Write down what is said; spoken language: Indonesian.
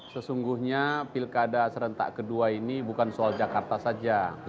sesungguhnya pilkada serentak kedua ini bukan soal jakarta saja